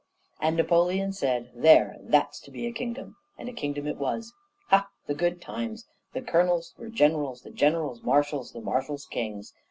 "And Napoleon said, 'There, that's to be a kingdom.' And a kingdom it was. Ha! the good times! The colonels were generals; the generals, marshals; and the marshals, kings.